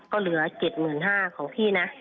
ก็เหลือ๗๕๐๐บาทของพี่นะ